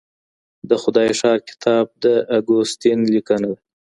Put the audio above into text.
د خدای ښار کتاب د اګوستين ليکنه ده.